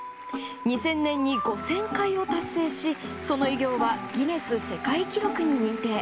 ２０００年に５０００回を達成しその偉業はギネス世界記録に認定。